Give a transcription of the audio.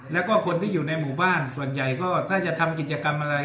แล้วก็คนที่อยู่ในหมู่บ้านส่วนใหญ่ก็ถ้าจะทำกิจกรรมอะไร